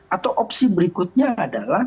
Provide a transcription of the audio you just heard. atau opsi berikutnya adalah